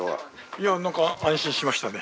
いやなんか安心しましたね。